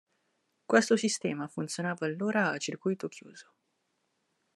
Questo sistema funzionava allora a circuito chiuso.